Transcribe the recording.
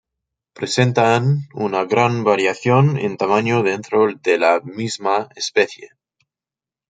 Presentan una gran variación en tamaño dentro de la misma especie.